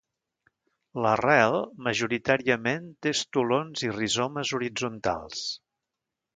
L'arrel, majoritàriament té estolons i rizomes horitzontals.